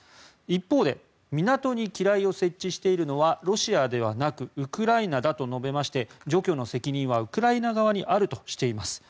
一方で港に機雷を設置しているのはロシアではなくウクライナだと述べまして除去の責任はウクライナ側にあるとしています。